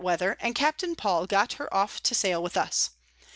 _] Weather, and Captain Paul got her off to sail with us.